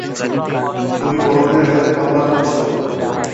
তুমি বড়দের সাথে পাল্লা দিচ্ছ।